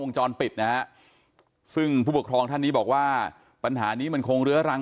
จรปิดนะฮะซึ่งผู้ปกครองท่านนี้บอกว่าปัญหานี้มันคงเรื้อรัง